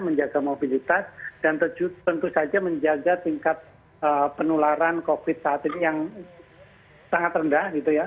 menjaga mobilitas dan terjudul tentu saja menjaga tingkat penularan kopi saat ini yang sangat rendah